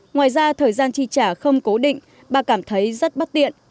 ngoài ra thời gian chi trả không cố định bà cảm thấy rất bất tiện